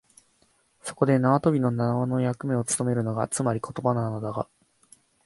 そこで縄跳びの縄の役目をつとめるのが、つまり言葉なのだが、